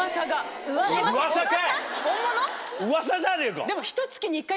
噂じゃねえか。